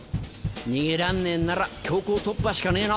逃げらんねえんなら強行突破しかねえな。